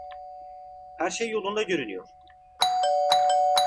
Her şey yolunda görünüyor.